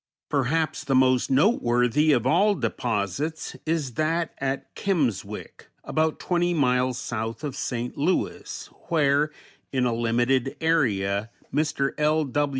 Perhaps the most noteworthy of all deposits is that at Kimmswick, about twenty miles south of St. Louis, where in a limited area Mr. L.